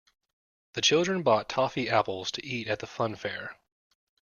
The children bought toffee apples to eat at the funfair